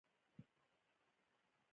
امیر له انګریزانو سخت خپه او زړه ماتي شو.